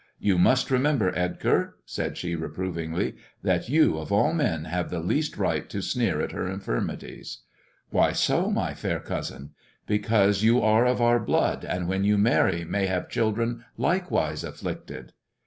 "You must remember, Edgar," said she reprovingly, " that you, of all men, have the least right to sneer at her infirmities." Why so, my fair cousin 1 " "Because you are of our blood, and when you marry may have children likewise afflicted."